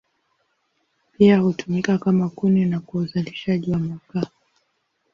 Pia hutumika kama kuni na kwa uzalishaji wa makaa.